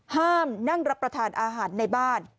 ห้ามนั่งรับประทานอาหารในบ้าน